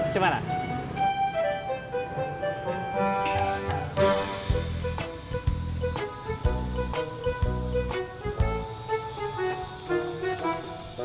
cuman satu satunya di indonesia